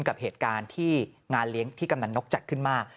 กับเหตุการณ์ที่งานเลี้ยงที่กำนันนกจัดขึ้นมาก